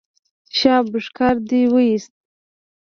شاباس کار دې وایست.